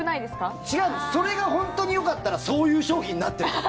それが本当によかったらそういう商品になってるから！